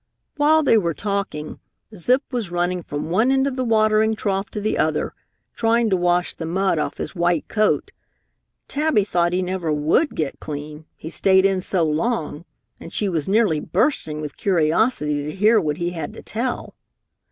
While they were talking, Zip was running from one end of the watering trough to the other, trying to wash the mud off his white coat. Tabby thought he never would get clean, he stayed in so long, and she was nearly bursting with curiosity to hear what he had to tell.